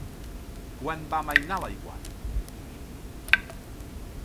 Quan va amainar l'aiguat?